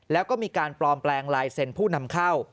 แล้วก็มีการปลอมแปลงลายเซ็นต์ผู้นำเข้า